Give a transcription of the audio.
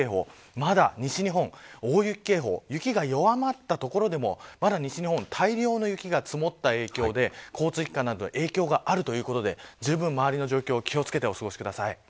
まだ西日本、大雪警報雪が弱まった所でも、まだ西日本大量の雪が積もった影響で交通機関などに影響があるということでじゅうぶん周りの状況にお気を付けください。